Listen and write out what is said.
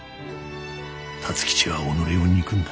辰吉は己を憎んだ。